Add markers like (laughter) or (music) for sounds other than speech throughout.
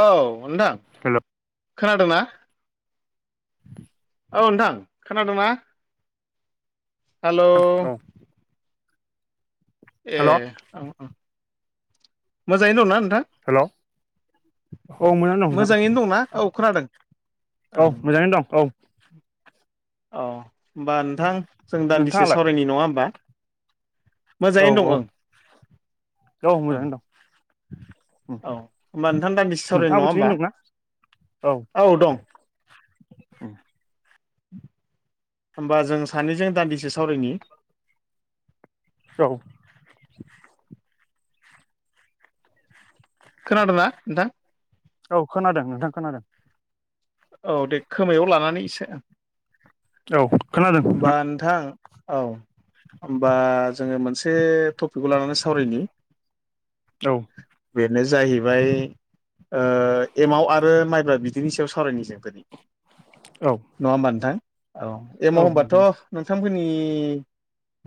औ नोंथां हेल' खोनादोंना औ नोंथां खोनादोंना हेल' औ ए हेल' औ-औ मोजाङैनो दंना नोंथां हेल' औ मोजाङैनो दं नोंथां मा औ खोनादों औ ओं मोजाङैनो दं औ औ होमबा नोंथां जों दान्दिसे नोंथाङालाय सावरायनि नङा होमबा औ मोजाङैनो औ दं ओं औ ओं मोजाङैनो दं औ होमबा नोंथां दा दान्दिसे सावरायनि नोंथाङाबो नङा होमबा थिगैनो दंना औ दं (inaudible) होमबा जों सानैजों दान्दिसे सावरायनि औ खोनादोंना नोंथां औ खोनादों नोंथां खोनादों औ दे खोमायाव लानानै इसे औ खोनादों होमबा नोंथां औ होमबा जोङो मोनसे टपिकखौ लानानै सावरायनि औ बेनो जाहैबाय ओ एमाव आरो माइब्रा बिदैनि सायाव सावरायनि जों औ नङा होमबा नोंथां औ एमाव होनबाथ' नोंथांमोननि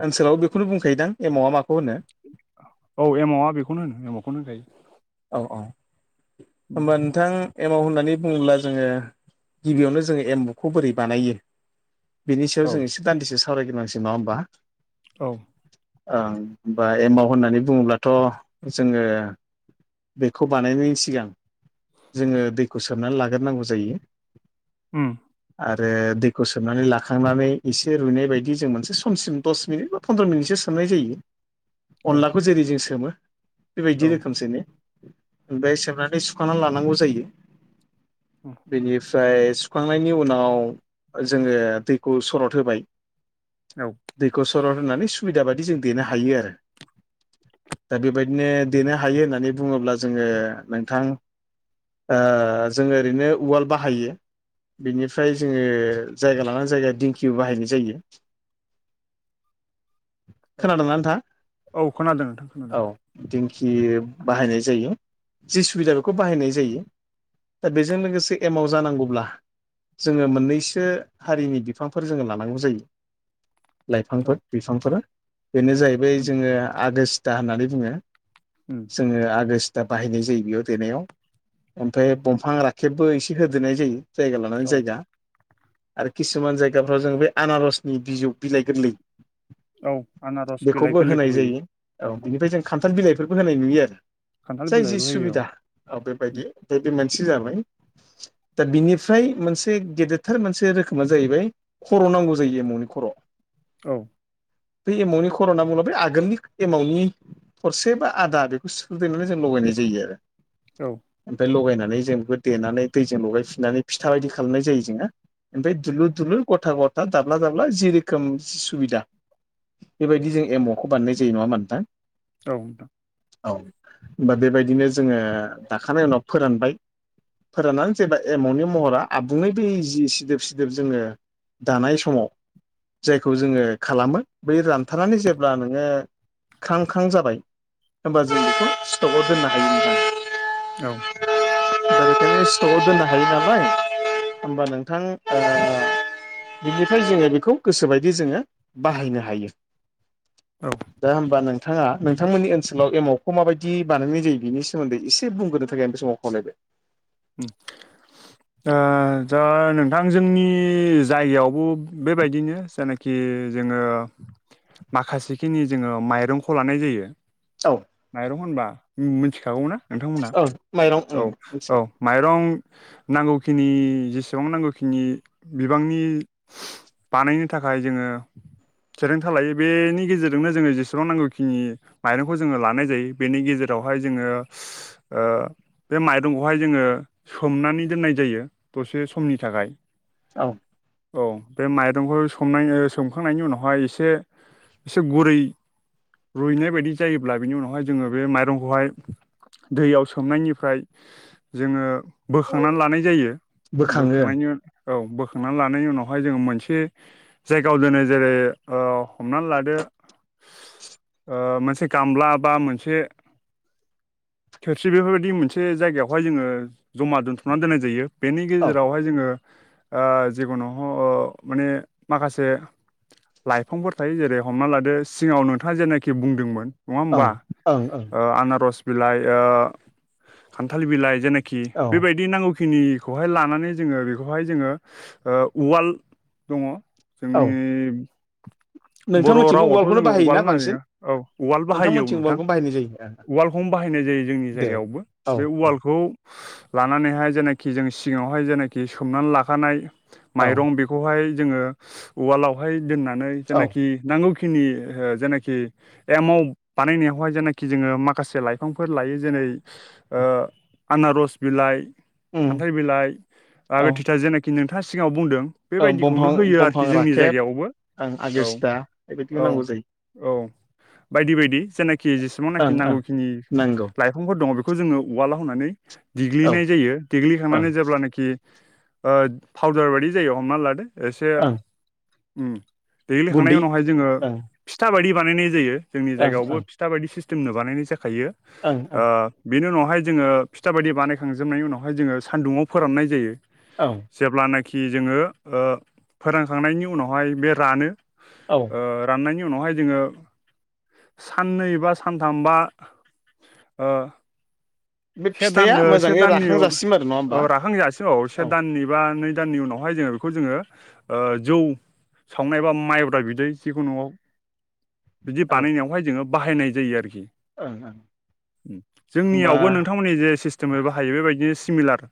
ओनसोलाव बेखौनो बुंखायोदा एमावआ माखौ होनो औ एमावआ बेखौनो होनो एमावखौनो होनखायो औ औ होमबा नोंथां एमाव होननानै बुङोब्ला जोङो गिबियावनो जोङो एमावखौ बोरै बानायो बिनि सायाव औ जों एसे दान्दिसे सावरायग्रोनोसै नङा होमबा औ ओ होनबा एमाव होननानै बुङोब्लाथ' जोङो बेखौ बानायनायनि सिगां जोङो दैखौ सोमनानै लाग्रोनांगौ जायो ओम आरो दैखौ सोमनानै लाखांनानै एसे रुइनाय बायदि जों मोनसे समसिम दस मिनिट फन्द्र' मिनिटसो सोमनाय जायो औ अनलाखौ जेरै जों सोमो औ बेबायदि रोखोमसेनो ओमफ्राय सोमनानै सुखांनानै लानांगौ जायो बेनि ओमफ्राय सुखांनायनि उनाव जोङो दैखौ सरद होबाय औ दैखौ सरत होनानै सुबिदा बायदि जों देनो हायो आरो दा बेबायदिनो देनो हायो होननानै बुङोब्ला जोङो नोंथां जोङो ओरैनो उवाल बाहायो बेनिफ्राय जोङो जायगा लानानै जायगा दिंखिबो बाहायनाय जायो औ खोनादोंना नोंथां औ खोनादों नोंथां खोनादों औ दिेंखि बाहायनाय जायो जि सुबिदा बेखौ बाहायनाय जायो दा बेजों लोगोसे एमाव जानांगौब्ला जोङो मोननैसो हारिनि बिफांफोर जोङो लानांगौ जायो औ लाइफांफोर बिफांफोर बेनो जाहैबाय जोङो आगस्ता होननानै बुङो उम जोङो आगस्टा बाहायनाय जायो बेयाव देनायाव ओमफ्राय दंफां राखेबबो एसे होदेरनाय जायो जायगा औ लानानै जायगा आरो किसुमान जायगाफ्राव जों बे आनारसनि बिजौ बिलाइ गोरलै औ आनारस बिलाइ बेखौबो गोरलैखौ होनाय होयो जायो औ बेनिफ्राय जों खान्थाल बिलाइफोरबो होनाय नुयो आरो खान्थाल जाय जि बिलाइबो होयो सुबिदा औ बेबायदि ओमफ्राय बे मोनसे जाबाय दा बिनिफ्राय मोनसे गेदेरथार मोनसे रोखोमा जाहैबाय खर' नांगौ जायो एमावनि खर' औ बे एमावनि खर'ना बुङोब्ला बे आगोलनि एमावनि थरसे बा आदा बेखौ सिफ्रुदेनानै जों लगायनाय जायो आरो औ ओमफ्राय लगायनानै जों बेखौ देनानै दैजों लगायफिननानै फिथा बायदि खालामनाय जायो जोङो ओमफ्राय दुलुर दुलुर गथा गथा दाब्ला दाब्ला जि रोखोम सुबिदा बेबायदि जों एमावखौ बानायनाय जायो नङा होनबा नोंथां औ नोंथां औ होमबा बेबायदिनो जोङो दाखांनाय उनाव फोरानबाय फोराननानै जेनेबा एमावनि महरा आबुङै बै जि सिदोब सिदोब जोङो दानाय समाव जायखौ जोङो खालामो बै रानथारनानै जेब्ला नोङो ख्रां ख्रां जाबाय होनबा जों बेखौ स्टकआव दोननो हायो। औ (inaudible) बेखायनो स्टकआव दोननो हायो नालाय होमबा नोंथां ओ बिनिफ्राय जोङो बेखौ गोसोबायदि जोङो बाहायनो हायो। औ दा होमबा नोंथाङा नोंथांमोननि ओन‌ ओनसोलाव एमावखौ माबायदि बानायनाय जायो बिनि सोमोन्दै एसे बुंग्रोनो थाखाय आं बे समाव खावलायबाय। (inaudible) ओ दा नोंथां जोंनि जायगायावबो बेबायदिनो जेनाखि खि जोङो माखासेखिनि जोङो माइरंखौ लानाय जायो। औ माइरं होनबा मिथिखागौ ना नोंथांमोनहा औ माइरं ओं औ मिथियो औ माइरं नांगौखिनि जेसेबां नांगौखिनि बिबांनि बानायनो थाखाय जोङो थिरांथा लायो बेनि गेजेरजोंनो जोङो जेसेबां नांगौखिनि माइरंखौ जोङो लानाय जायो बेनि गेजेरावहाय जोङो ओ बे माइ गुदुंखौहाय जोङो सोमनानै दोननाय जायो दसे समनि थाखाय। औ औ बे माइरंखौ संनाय सोमखांनायनि उनावहाय एसे एसे गुरै रुइनाय बायदि जायोब्ला बेनि उनावहाय जोङो बे माइरंखौहाय दैयाव सोमनायनिफ्राय जोङो बोखांनानै लानाय जायो बोखाङो बोखांनायनि औ बोखांनानै लानायनि उनावहाय जोङो मोनसे जायगायाव दिनै जेरै हमनानै लादो ओ मोनसे गामला बा मोनसे थोरसि बेफोरबायदि मोनसे मोनसे जायगायावहाय जोङो जमा दोनथुमनानै दोननाय जायो बेनि औ गेजेरावहाय जोङो ओ जिखुनु माने माखासे लाइफांफोर थायो जेरै हमना लादो सिङाव नोंथाङा जेनाखि बुंदोंमोन। नङा ओ ओं होमबा ओं ओं आनारस बिलाइ ओ खानथाल बिलाइ जेनाखि औ बेबायदि नांगौखिनि खौहाय लानानै जोङो बेखौहाय जोङो ओ उवाल दङ। औ जोंनि बर' नोंथांमोनथिंबो रावआवथ' उवालखौनो जोङो उवाल बाहायोना बांसिन औ उवाल बाहायो औ नोंथांमोनथिं नोंथां। उवालखौनो बाहायनाय जायो उवालखौनो बाहायनाय जायो जोंनि दे जायगायावबो औ बे औ उवालखौ लानानैहाय जेनाखि जों सिगाङावहाय जेनाखि सोमनानै लाखानाय औ माइरं बे बे खौहाय जोङो उवालावहाय दोननानै औ जेनाखि नांगौखिनि ओ जेनाखि एमाव बानायनायावहाय जेनाखि जोङो माखासे लाइफांफोर लायो जेरै ओ आनारस बिलाइ उम खानथाल बिलाइ आगो औ थथा जेनाखि नोंथाङा सिगाङाव बुंदों। ओं बमफां बेबायदिखौनो होयो बमफां आरोखि जोंनि राखेब जायगायावबो। ओं औ आगोरसिथा बेबायदिखौ नांगौ औ जायो औ बायदि बायदि जेनाखि जेसेबांनाखि ओं ओं नांगौखिनि नांगौ लाइफा दफांफोर दङ बेखौ जोङो उवााल होनानै औ देग्लिनाय जायो ओं देग्लिखांनानै जेब्लानाखि ओ फावदार बायदि जायो हमना लादो एसे ओं ओम दैग्लिखांनायनि गुन्दै उनावहाय जोङो ओं फिथा बायदि बानायनाय जायो जोंनि ओं जायगायावबो। ओं टाबायदि (unintelligible) सिस्टेमनो बानायनाय जाखायो ओं आ बेनि उनावहाय जोङो फिथा बायदि बानायखांजोबनायनि उनावहाय जोङो सानदुङाव फोराननाय जायो। औ जेब्लानाखि जोङो ओ फोरानखांनायनि उनावहाय बे रानो। औ ओ राननायनि उनावहाय जोङो साननै एबा सानथामबा ओ बे से फिथाइया दाननो से मोजाङै दाननिआव राखांजासिम आरो नङा औ होमबा राखां जासिम औ से दाननि बा नै दाननि उनावहाय जोङो बेखौ जोङो ओ जौ सावनाय एबा माइब्रा बिदै जिखौ न'वाव बिदि औ बानायनायावहाय जोङो बाहायनाय जायो आरोखि ओं ओं होमबा जोंनियावबो नों नि जे सिस्टेमै बाहायो बेबायदिनो सिमिलार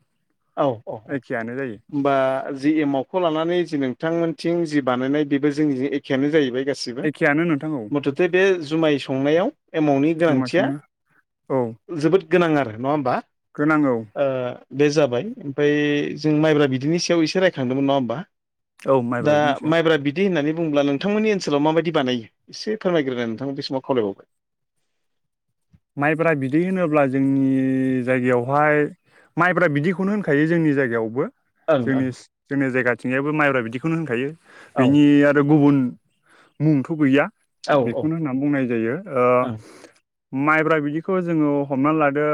औ औ औ एखेयानो जायो ओमबा जि एमावखौ लानानै जि नोंथांमोनथिं जि बानायनाय बेबो जोंनि एखेयानो जाहैबाय गासिबो एखेयानो नोंथां औ मुथथे बे जुमाय संनायाव एमावनि जुमाय गोनांथिया संनाया औ जोबोद गोनां आरो नङा ओमबा? गोनां औ। ओ बे जाबाय ओमफ्राय जों माइब्रा बिदैनि सायाव एसे रायखांदोंमोन नङा ओमबा औ माइब्रा दा बिनि सायाव माइब्रा बि दि होननानै बुङोब्ला नोंथांमोननि ओनसोलाव माबायदि बानायो एसे फोरमायग्रोनाय नोंथां बे समाव खावलायबावबाय माइब्रा बिदै होनोब्ला जोंनि जायगायावहाय माइफ्रा बिदिखौनो होनखायो जोंनि जायगायावबो। जोंनि खावलायबावबाय जोंनि जायगाथिंजायो माइब्रा बिदिखौनो होनखायो ओं बिनि आरो गुबुन मुंथ' गैया बेखौनो ओं होनना बुंनाय जायो ओ औ माइब्रा बिदिखौ जोङो हमनानै लादो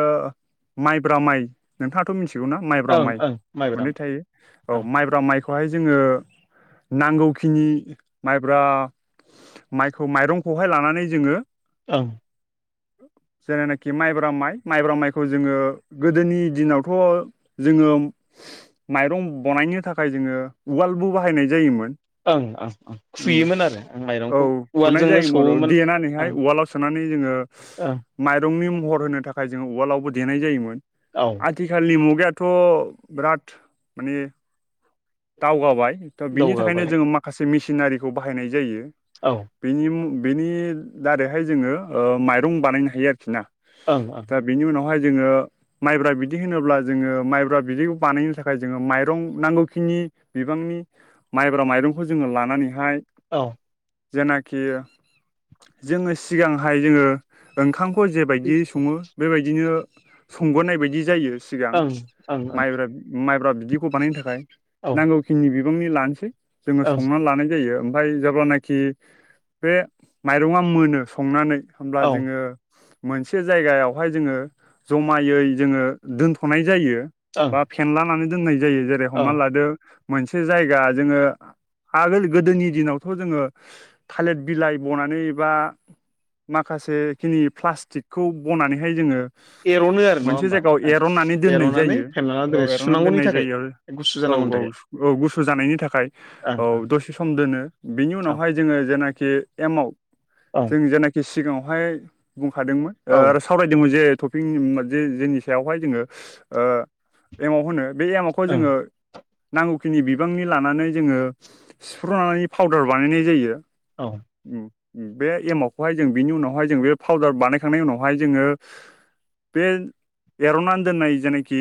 माइब्रा माइ नोंथाङाथ' मिथिगौ ना? माइब्रा औ माइ ओं माइब्रा मोननै थायो औ ओं माइब्रा माइ खौहाय जोङो नांगौखिनि माइब्रा माइखौ माइरंखौहाय लानानै जोङो औ जेनेनाखि माइब्रा माइ माइब्रा माइखौ जोङो गोदोनि दिनावथ' जोङो माइरं बनायनो थाखाय जोङो उवालबो बाहायनाय जायोमोन। ओं ओं ओं उम खुयोमोन आरो आं औ माइरंखौ हुनाय उवालजोंनो जायोमोन र' सौवोमोन देनानैहाय उवालाव सुनानै जोङो ओ माइरंनि महर होनो थाखाय जोङो उवालावबो देनाय जायोमोन। औ आथिखालनि मुगायाथ' बिराद माने दावगाबाय। दा बिनि थाखायनो दावगाबाय जोङो माखासे मेचिनारिखौ बाहायनाय जायो। औ बेनि बेनि दारैहाय जोङो ओ माइरं बानायनो हायो आरोखि ना? ओं ओं दा बेनि उनावहाय जोङो माइब्रा बिदि होनोब्ला जोङो माइब्रा बिदैखौ बानायनो थाखाय जोङो माइरं नांगौखिनि बिबांनि माइब्रा माइरंखौ जोङो लानानैहाय औ जेनाखि जोङो सिगांहाय जोङो ओंखामखौ जेबायदि सङो बेबायदिनो संबोनाय बायदि जायो। सिगां ओं ओं माइब्रा माइब्रा बिदिखौ बानायनो थाखाय औ नांगौखिनि बिबांनि लानोसै जोङो ओं संनानै लानाय जायो। ओमफ्राय जेब्लानाखि बे माइरङा मोनो संनानै औ जोङो मोनसे जायगायावहाय जोङो जमायै जोङो दोनथ'नाय जायो। ओं बा फेनलानानै दोननाय जायो जेरै औ हमना लादो मोनसे जायगा जोङो आगोल गोदोनि दिनावथ' जोङो थालेद बिलाइ बनानै एबा माखासे बे खिनि प्लास्टिकखौ बनानैहाय जोङो एर'नो आरो नङा मोनसे होमबा जायगायाव ओं एर'नानै दोननाय एर'नानै जायो फेनलाना दोनो औ एर'नानै सुनांगौनि दोननाय थाखाय जायो आरो गुसु औ जानांगौनि औ थाखाय औ गुसु जानायनि थाखाय औ दसे थ सम दोनो बिनि ओं उनावहाय जोङो जेनाखि एमाव ओं जों जेनाखि सिगाङाव बेहाय बुंखादोंमोन औ सावरायदोंमोन जे टपिक जे जेनि सायावहाय जोङो ओ एमव होनो बे एमावखौ औ ओं जोङो नांगौखिनि बिबांनि लानानै जोङो सिफ्र'नानै पावउदार बानायनाय जायो औ बे एमावखौहाय जों बिनि उनावहाय जों बे फाउदार बानायखांनायनि उनावहाय जोङो बे एरनानै दोननाय जेनाखि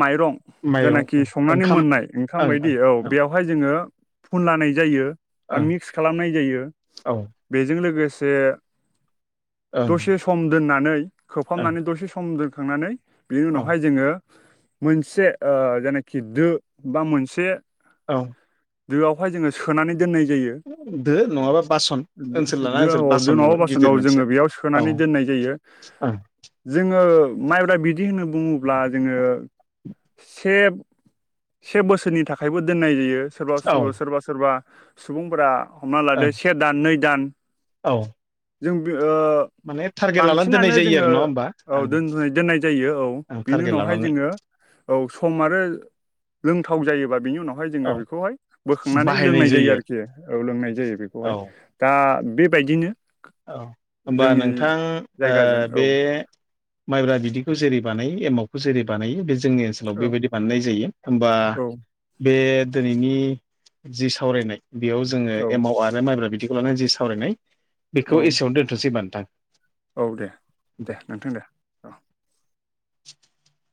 माइरं माइरं जायनाखि संनानै ओंखाम मोननाय ओंखाम ओं बायदि ओं औ बेयावहाय जोङो फुन लानाय जायो बा ओं मिक्स खालामनाय जायो औ बेजों लोगोसे ओं दसे सम दोननानै ओं खोबहाबनानै दसे सम दोनखांनानै बिनि औ उनावहाय जोङो मोनसे जायनाखि दो बा मोनसे औ दोआवहाय जोङो सोनानै दोननाय जायो दो नङाबा बासन ओनसोल ला दो दो नङाबा बासनाव जोङो बेयाव औ सोनानै ओं दोननाय जायो जोङो माइब्रा बिदै होननानै बुङोब्ला जोङो से से बोसोरनि थाखायबो दोननाय जायो सोरबा औ ओं सोरबा सोरबा सुबुंफोरा हमना लादो से दान नै दान औ जों बि ओ माने टारगेट लानानै दोननाय बांसिनानो जायो आरो जोङो नङा होमबा औ आं दोनदुय दोननाय जायो औ आं बेनि टारगेट उनावहाय लानानै जोङो औ सम आरो लोंथाव जायोबा बेनि उनाव जोंनिया औ बेखौहाय बोखनानै लोंनाय जायो आरोखि औ लोंनाय जायो बेखौहाय आरो दा बेबायदिनो औ होमबा जोंनि नोंथां जायगाजों औ बे माइब्रा बिदिखौ जेरै बानायो एमावखौ जेरै बानायो बे जोंनि ओनसोलाव औ बेबायदि बानायनाय जायो होमबा औ बे दिनैनि जि सावरायनाय बेयाव जोङो औ एमव आरो जै माइब्रा बिदिखौ लानानै जि सावरायनाय औ बेखौ एसेयावनो दोनथनोसै होमबा नोंथां औ दे दे नोंथां दे औ (inaudible)